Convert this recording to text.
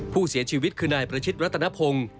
ผู้เสียชีวิตคือนายประชิดรัตนพงศ์